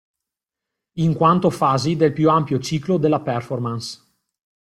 In quanto fasi del più ampio Ciclo della Performance.